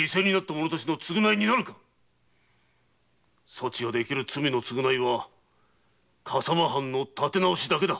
そちができる罪の償いは笠間藩の建て直しだけだ。